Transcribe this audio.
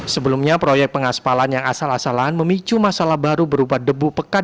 sebelumnya proyek pengaspalan yang asal asalan memicu masalah baru berupa debu pekat